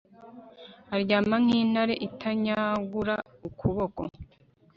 aryama nk'intare itanyagura ukuboko